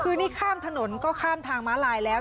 คือนี่ข้ามถนนก็ข้ามทางม้าลายแล้ว